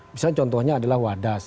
misalnya contohnya adalah wadas